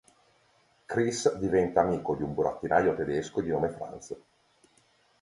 Chris diventa amico di un burattinaio tedesco di nome Franz.